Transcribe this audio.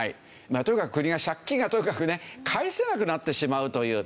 とにかく国が借金がとにかくね返せなくなってしまうという。